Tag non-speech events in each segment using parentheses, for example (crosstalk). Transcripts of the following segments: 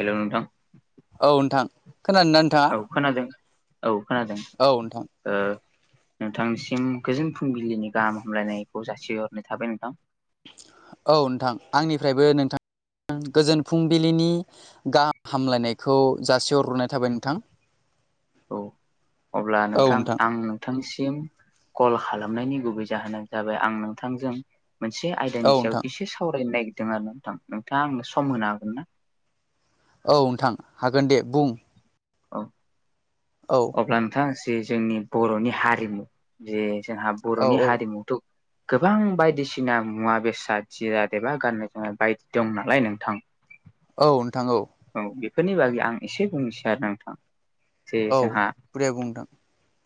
हेल' नोंथां औ नोंथां खोनादों ना औ खोनादों औ खोनादों औ नोंथां ओ नोंथांसिम गोजोन फुंबिलिनि गाहाम हामलायनायखौ जासिहरनाय थाबाय नोंथां। औ नोंथां आंनिफ्रायबो नोंथां। गोजोन फुंबिलिनि गाहाम हामलायनायखौ जासिहरनाय औ अब्ला नोंथां आं नोंथांसिम कल खालामनायनि गुबै जाहोनानो जाबाय आं नोंथांजों मोनसे औ आयदानि सायाव नोंथां एसे सावरायनो नागिरदों आरो ना नोंथां नोंथाङा आंनो सम होनो हागोन ना? औ नोंथां हागोन दे बुं औ औ। अब्ला नोंथां जे जोंनि बर'नि हारिमु जे जोंहा औ बर'नि औ हारिमुथ' गोबां बायदिसिना मुवा बेसाद जिराद एबा गाननाय जोमनाय बायदि दं नालाय नोंथां औ नोंथां औ। औ बेफोरनि बागै आं एसे बुंनोसै आरो नोंथां जे औ जोंहा दे बुं औ नोंथां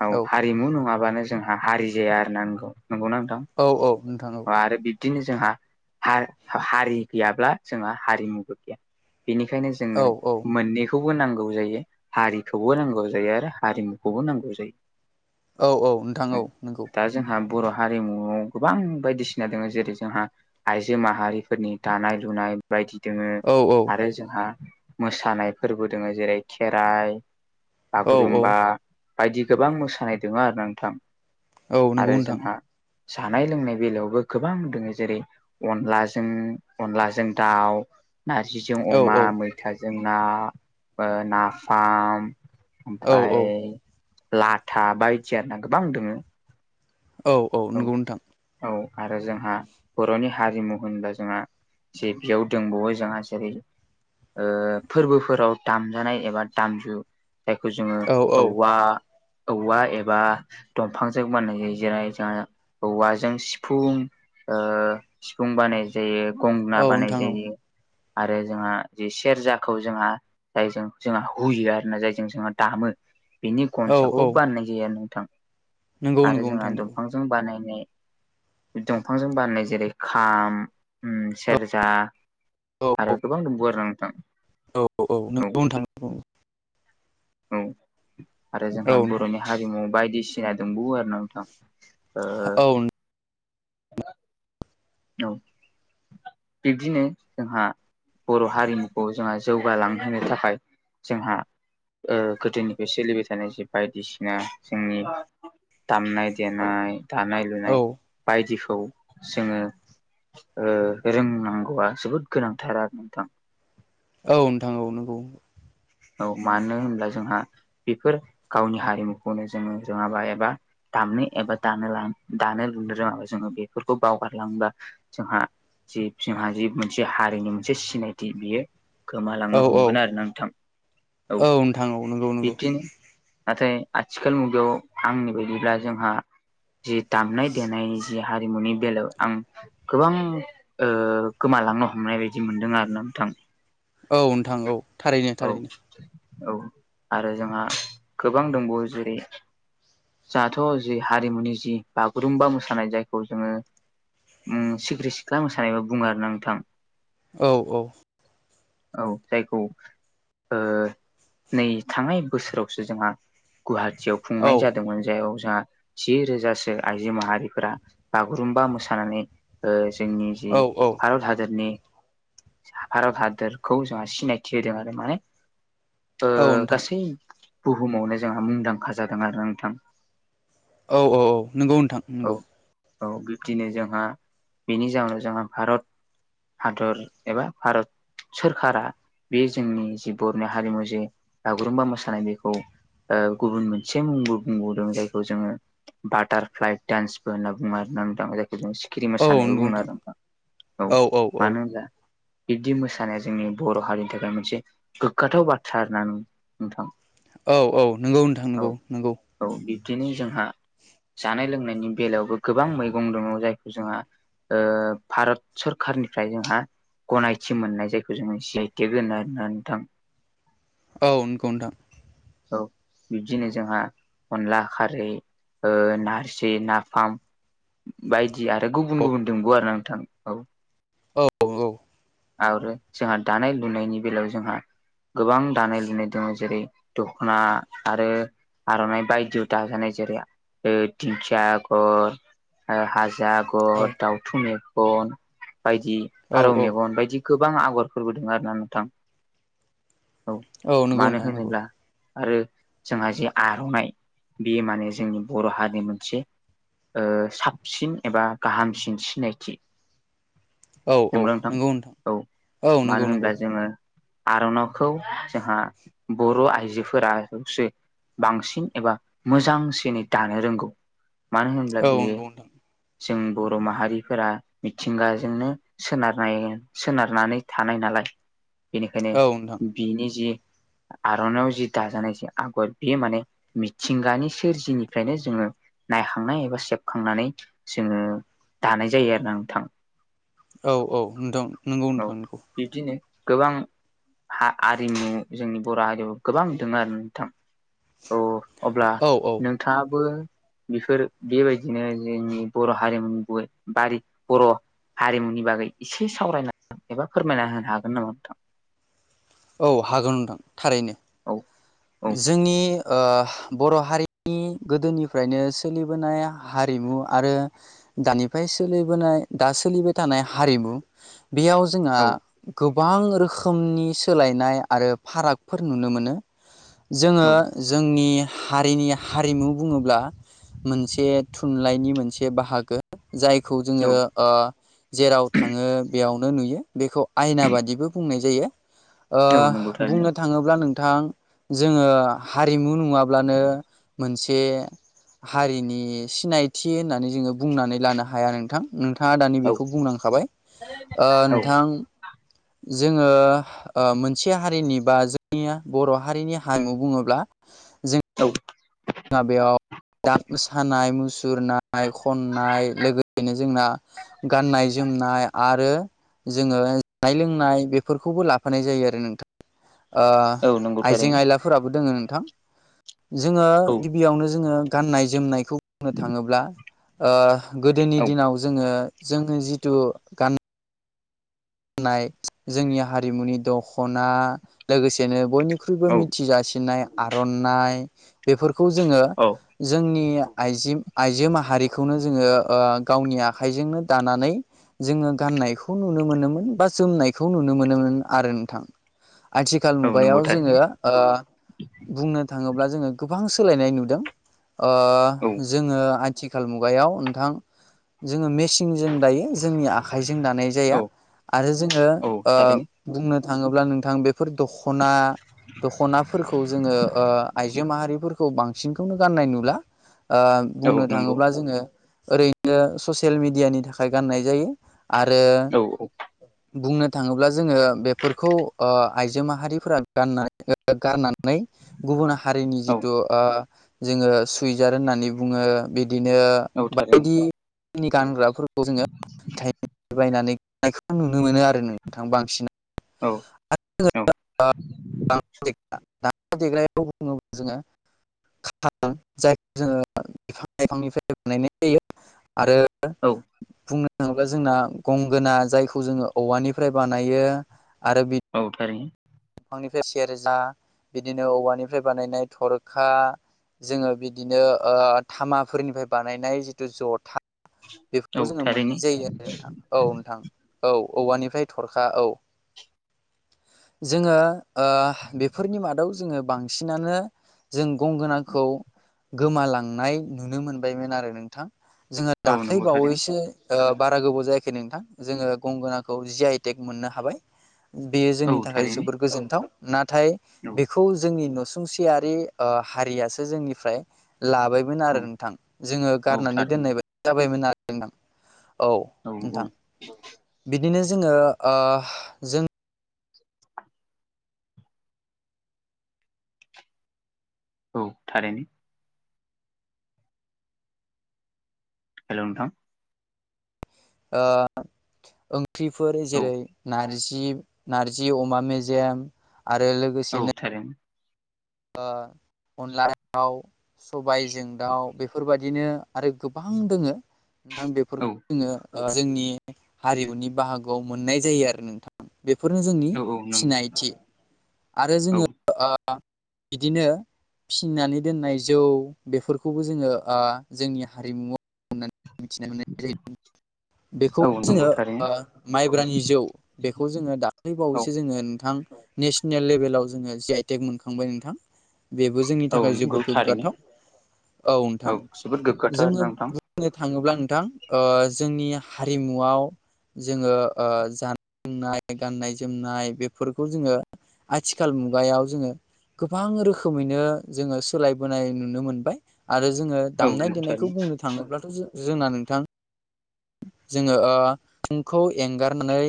हा औ हारिमु नङाबानो जोंहा हारि जाया आरो नौ नंगौना नोंथां औ औ नोंथां औ। आरो बिब्दिनो जोंहा हारि गैयाब्ला जोंहा हारिमुबो गैया बेखायनो जोंनो औ मोननै खौबो नांगौ जायो हारिखौबो नांगौ जायो आरो हारिमुखौबो नांगौ जायो। औ औ नोंथां औ नोंगौ। दा जोंहा बर' हारिमुआव गोबां बायदिसिना दङ जेरै जोंहा आइजो माहारिफोरनि दानाय लुनाय बायदि दङो औ औ आरो जोंहा मोसानाय फोरबो दङ जेरै खेराइ औ औ बागुरुमबा बायदि गोबां मोसानाय दङ आरो नोंथां औ नंगौ आरो नोंथां जोंहा जानाय लोंनाय बेलायावबो गोबां दङो जेरै अनलाजों अनलाजों दाउ नारजिजों औ अमा औ मैथाजों ना ओ नाफाम औ ओमफाय लाथा बायदि आर ना गोबां दङो औ औ नंगौ नोंथां। औ आरो जोंहा बर'नि हारिमु होनोब्ला जोंहा जे बेयाव दंबावो जोंहा जेरै ओ फोरबोफोराव दामजानाय एबा दामजु जायखौ जोङो औ औ औवा औवा एबा दंफांजों बानायनाय जायो जेरै जोंहा औवाजों सिफुं ओ सिफुं बानाय जायो गंगना औ बानाय नोंथां जायो आरो जोंहा जे सेरजाखौ जोंहा जायजों जोंहा हुयो आरो ना जायजों जोंहा दामो। बिनि औ गनसाखौ औ बानायनाय जायो आरो नोंथां नंगौ आरो नंगौ नोंथां जोंहा नंगौ दंफांजों बानायनाय दंफांजों बानायनाय जेरै खाम सेरजा औ आरो औ। गोबां दंबावो आरोना नोंथां। औ औ नंगौ नोंथां औ। औ आरो जोंहा नोंथां बर'नि हारिमु बायदिसिना दंबावो आरोना नोंथां। ओ औ औ बिब्दिनो जोंहा बर' हारिमुखौ जोंहा जौगालांहोनो थाखाय जोंहा ओ गोदोनिफ्राय सोलिबाय थानाय जे बायदिसिना जोंनि दामनाय देनाय दानाय औ लुनाय बायदिखौ जोङो ओ रोंनांगौआ जोबोद गोनांथार आरो नोंथां। औ नोंथां औ नोंगौ। औ मानो होनब्ला जोंहा बेफोर गावनि हारिमुखौनो जोङो रोङाबा एबा दामनो एबा दानो लानो दानो लुनो रोङाबा जोङो बेफोरखौ बावगारलाङोबा जोंहा जि जोंहा जि मोनसे हारिनि मोनसे सिनायथि बियो गोमालांनो औ औ हमगोन आरोना नोंथां। औ नोंथां औ नंगौ नंगौ बिब्दि नाथाय आथिखाल मुगायाव आंनि बायदिब्ला जोंहा जि दामनाय देनाय जि हारिमुनि बेलायाव आं गोबां ओ गोमालांनो हमनाय बायदि मोनदों आरोना नोंथां। औ नोंथां औ। थारैनो औ थारैनो औ आरो जोंहा गोबां दंबावो जेरै जाहाथ' जि हारिमुनि जि बागुरुम्बा मोसानाय जायखौ जोङो ओम सिखिरि सिख्ला मोसानायबो बुङो आरोना नोंथां। औ औ। औ जायखौ ओ नै थांनाय बोसोरावसो जोंहा गुवाहाटियाव औ खुंनाय जादोंमोन जायाव जोंहा जि रोजासो आइजो माहारिफोरा बागुरुम्बा मोसानानै ओ जोंनि औ औ भारत हादोरनि भारद हादोर खौ जोंहा सिनायथि होदों आरो माने ओ औ नोंथां गासै बुहुमावनो जोंहा मुंदांखा जादों आरोना नोंथां। औ औ औ नोंगौ नोंथां औ नोंगौ। औ बिब्दिनो जोंहा बेनि जाहोनाव जोंहा भारत हादर एबा भारत सोरखारा बे जोंनि जि बर'नि हारिमु जे बागुरुम्बा मोसानाय बेखौ ओ गुबुन मोनसे मुं बो बुंबावदों जायखौ जोङो बाटारफ्लाइ डान्सबो होनना बुङो आरोना नोंथां। जाय खौ सिखिरि औ मोसानायनो नंगौ बुङो आरो नोंथां। औ मानो होनब्ला बिबदि मोसानाय जोंनि बर' हारिनि थाखाय मोनसे गोग्गाथाव बाथ्रा आरो ना नोंथां। औ औ नंगौ नोंथां औ नंगौ नंगौ। औ बिब्दिनो जोंहा जानाय लोंनायनि बेलायावबो गोबां मैगं दङ जायखौ जोंहा ओ भारत सोरखारनिफ्राय जोंहा गनायथि मोननाय जायो। बे खौ जोङो जि आइ टेग होनो आरोना नोंथां। औ नंगौ नोंथां। औ बिब्दिनो जोंहा अनला खारै ओ नारजि नाफाम बायदि आरो औ गुबुन गुबुन दंबावो आरो नोंथां औ। औ नंगौ। आरो जोंहा दानाय लुनायनि बेलायाव जोंहा गोबां दानाय लुनाय दङ जेरै दख'ना आरो आर'नाइ बायदि दाजानाय जेरै ओ दिंखिया आगर ओ हाजो आ औ गर दाउथु मेगन बायदि औ फारौ मेगन बायदि गोबां आगरफोरबो दों आरो ना नोंथां औ नंगौ मानो नोंथां नंगौ होनोब्ला आरो जोंहा जे आर'नाइ बेयो माने जोंनि बर' हारिनि मोनसे ओ साबसिन एबा गाहामसिन सिनायथि औ औ नंगौ ना नंगौ नोंथां औ औ नंगौ मानो नंगौ होनब्ला जोङो आर'नावखौ जोंहा बर' आइजो फोरसो बांसिन एबा मोजांसिनै दानो रोंगौ मानो होन्ला औ बेयो नंगौ नोंथां जों बर' माहारिफोरा मिथिंगाजोंनो सोनारनाय सोनारनानै थानाय नालाय बेनिखायनो औ नोंथां बिनि जि आर'नाइआव जि दाजानाय जे आगर बे माने मिथिंगानि सोरजिनिफ्रायनो जोङो नायखांनाय एबा सेबखांनानै जोङो दानाय जायो आरोना नोंथां। औ औ नोंथां नोंगौ औ नोंथां नोंगौ बिब्दिनो गोबां आरिमु जोंनि बर' हारिमु गोबां दङ आरो नोंथां औ अब्ला औ औ नोंथाङाबो बेफोर बेबायदिनो जोंनि बर' हारिमुनि गुबै बारि बर' हारिमुनि बागै एसे सावरायना एबा फोरमायना होनो हागोन नामा नोंथां। औ हागोन नोंथा‌ थारैनो औ औ जोंनि ओ बर' हारिनि नि गोदोनिफ्रायनो सोलिबोनाय हारिमु आरो दानिफ्राय सोलिबोनाय दा सोलिबाय थानाय हारिमु बेयाव जोंहा औ गोबां रोखोमनि सोलायनाय आरो फारागफोर नुनो मोनो जोङो जोंनि हारिनि हारिमु बुङोब्ला मोनसे थुनलाइनि मोनसे बाहागो जायखौ औ जोङो ओ जेराव थाङो बेयावनो नुयो बेखौ आयना बादिबो बुंनाय जायो औ नंगौ ओ थारैनो बुंनो थाङोब्ला नोंथां जोङो हारिमु नङाब्लानो मोनसे हारिनि सिनायथि होननानै जोङो बुंनानै लानो हाया नोंथां नोंथाङा दानि औ बेखौ बुंनांखाबाय ओ औ नोंथां जोङो ओ मोनसे हारिनि बा जोंनिया बर' हारिनि हारिमु बुङोब्ला‌ औ जोंहा बेयाव मोसानाय मुसुरनाय खननाय लोगोसेनो जोंना गाननाय जोमनाय आरो जोङो जानाय लोंनाय बेफोरखौबो लाफानाय जायो आरो नोंथां ओ औ नंगौ आइजें थारैनो आयलाफोराबो दोङो नोंथां जोङो औ गिबियावनो जोङो गाननाय जोमनायखौ बुंनो थाङोब्ला ओ गोदोनि औ दिनाव जोङो जोङो जिथु गान होननाय जोंनि हारिमुनि दख'ना लोगोसेनो बयनि ख्रुइबो औ मिथिजासिनाय आर'नाइ बेफोरखौ जोङो औ जोंनि आइ आइजो माहारिखौनो ओ जोङो गावनि आखाइजोंनो दानानै जोङो गाननायखौ नुनो मोनोमोन‌ बा जोमनायखौ नुनो मोनोमोन आरो नोंथां आथिखाल औ नंगौ मुगायाव जोङो थारैनो ओ बुंनो थाङोब्ला जोङो गोबां सोलायनाय नुदों ओ औ जोङो आथिखाल मुगायाव नोंथां जोङो मेचिनजों दायो जोंनि आखाइजों दानाय जाया औ आरो जोङो औ थारैनो बुंनो थाङोब्ला नोंथां बे दखना दख'नाफोरखौ ओ‌ जोङो आइजो माहारि बांसिनखौनो गाननाय नुला औ बुंनो नंगौ थाङोब्ला जोङो ओै ससियेल मिेडियानि थाखाय गाननाय जायो आरो औ औ बुंनो थाङोब्ला जोङो बेफोरखौ ओ आइजो माहारिफोरा गानना गाननानै (inaudible) औ औ थारैनो बायदिनि गानग्राफोरखौ जोङो बायनानै नायखौ नुनो मोनो आरो नोंथां बांसिन औ औ दामनाय देनायखौ बुङोब्ला जोङो खार जायखौ जोङो बिफां लाइफांनिफ्राय बानायनाय आरो औ बुंनो थाङोब्ला जोंना गंगोना जायखौ जोङो औवानिफ्राय बानायो आरो बि औ थारै बिफांनिफ्राय सेरजा बिदिनो औवानिफ्राय बानायनाय थरखा जोङो बिदिनो ओ थामाफोरनिफ्राय बानायनाय जिथु जथा औ बेफोरखौ जोङो थारैनो मोननाय जायो आरो नोंथां औ नोंथां औ औवानिफ्राय थरखा औ जोङो ओ बेफोरनि मादाव जोङो बांसिनानो जों गंगोनाखौ गोमालांनाय नुनो मोनबायमोन आरो नोंथां जों औ नंगौ थारैनो दाख्लैबावैसो ओ बारा गोबाव जायाखै नोंथां जोङो गंगोनाखौ जि आइटेक मोननो हाबाय बेयो जोंनि औ थाखाय थारैनो जोबोर गोजोनथाव नाथाय औ बेखौ जोंनि नसुंसियारि ओ हारियासो जोंनिफ्राय लाबायमोन आरो औ नोंथां जोङो औ गारनानै थारैनो दोननाय जाबायमोन आरो नोंथां औ नोंथां बिदिनो जोङो ओ जों औ थारैनो हेल' नोंथां ओ ओंख्रिफोर औ जेरै नारजि नारजि अमा मेजेम आरो औ लोगोसेनो थारैनो ओ अनला (unintelligible) थाव सबायजों दाउ बेफोरबादिनो आरो गोबां दोङो नोंथां औ बेफोरखौ जोङो ओ जोंनि हारिमुनि बाहागोआव मोननाय जायो आरो नोंथां बेफोरनो जोंनि औ औ नंगौ सिनायथि आरो औ जोङो ओ बिदिनो फिनानै दोननाय जौ बेफोरखौबो जोङो ओ जोंनि हारिमु होननानै मिथिना मोननाय जाय (unintelligible) बेखौ औ नंगौ जोङो थारैनो ओ माइब्रानि जौ बेखौ जोङो दाख्लै औ बावैसो जोङो नोंथां नेसनेल लेभेलाव जोङो जि आइटेक मोनखांबाय नोंथां बेबो जोंनि औ थाखाय नंगौ जोबद थारैनो गोग्गाथाव औ नोंथां जोबोद गोग्गाथाव जोङो आरोना नोंथां बुंनो थाङोब्ला नोंथां ओ जोंनि हारिमुआव जोङो ओ जानाय लोंनाय गाननाय जोमनाय बेफोरखौ जोङो आथिखाल मुगायाव जोङो गोबां रोखोमैनो जोङो सोलायबोनाय नुनो मोनबाय आरो जोङो औ दामनाय नंगौ देनायखौ थारैनो बुंनो थाङोब्लाथ' जों जोंना नोंथां जोङो ओ फुंखौ एंगारना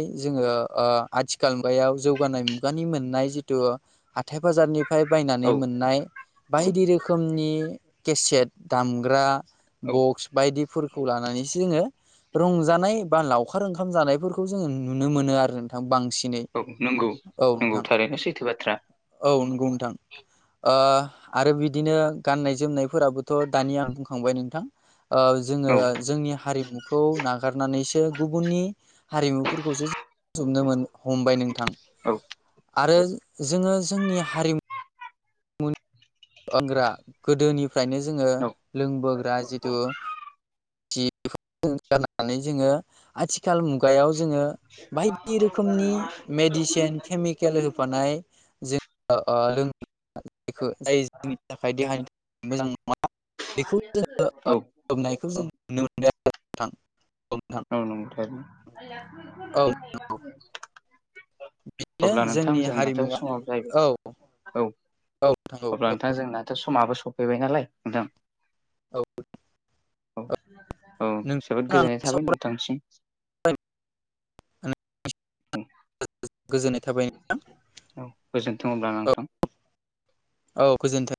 हाथाय बाजारनिफ्राय बायनानै औ मोननाय बायदि रोखोमनि केसेट दामग्रा औ बक्स बायदि फोरखौ लानानैसो जोङो रंजानाय बा लावखार ओंखाम जानायफोरखौ जोङो नुनो मोनो आरो नोंथां बांसिनै औ नंगौ औ नोंथां नंगौ थारैनो सैथो बाथ्रा औ नंगौ नोंथां ओ आरो बिदिनो गाननाय जोमनायफोराबोथ' दानि आं बुंखांबाय नोंथां। जोङो औ जोंनि हारिमुखौ नागारनानैसो गुबुननि हारिमुफोरखौसो बुथुमनो हमबाय नोंथां। औ आरो जोङो जोंनि हारिमु ग्रा गोदोनिफ्रायनो जोङो औ लोंबोग्रा जिथु जानानै जोङो आथिखाल मुगायाव जोङो बायदि रोखोमनि मेडिसिन केमि खेल होफानाय जेखौ (unintelligible) जोंनि थाखाय देहानि मोजां नङा बेखौ जोङो औ होबनायखौ जों नुनो मोनदों नोंथां औ नोंथां औ नोंथां औ नोंथां (unintelligible) बिदिनो अब्ला जोंनि नोंथांजों माथो हारिमुवा समाव औ जाहैबाय औ नोंथां औ अब्ला नोंथां जोंनाथ' समाबो सफैबाय नालाय (unintelligible) औ औ जोबोद नोंथांजों आं गोजोननाय थाबाय नोंथांसिम। (unintelligible) ओ। गोजोननाय थाबाय नोंथां औ गोजोनथों अब्ला औ नोंथां। औ गोजोन्थों।